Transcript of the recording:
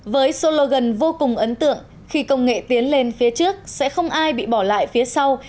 với số lô gần vô cùng ấn tượng khi công nghệ tiến lên phía trước sẽ không ai bị bỏ lại phía sau